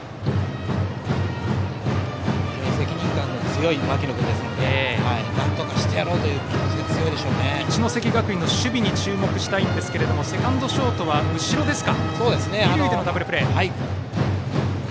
責任感の強い牧野君なのでなんとかしてやろうという一関学院の守備に注目したいんですけれどもセカンド、ショートは後ろですね。